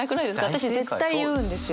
私絶対言うんですよ。